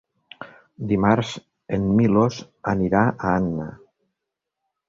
Dimarts en Milos anirà a Anna.